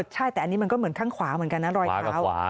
ใช่แต่อันนี้มันก็เหมือนข้างขวาเหมือนกันนะรอยเท้า